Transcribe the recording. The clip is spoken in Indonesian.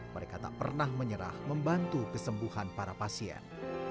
mereka tak pernah menyerah membantu kesembuhan para pasien